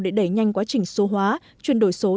để đẩy nhanh quá trình số hóa chuyển đổi số